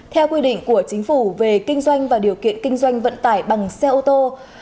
theo quy định của chính phủ về kinh doanh và điều kiện kinh doanh vận tải bằng xe ô tô